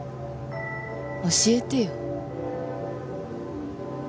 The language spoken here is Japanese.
教えてよ。